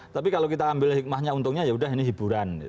tapi kalau kita ambil hikmahnya untungnya yaudah ini hiburan